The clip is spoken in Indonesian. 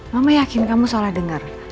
mama yakin kamu salah dengar